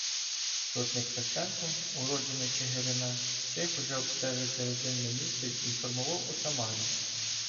Сотник Фесенко, уродженець Чигирина, встиг уже обстежити родинне місто й інформував отамана.